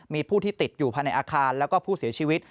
มีผู้ที่ติดอยู่ภายในอาคารแล้วก็ผู้เสียชีวิต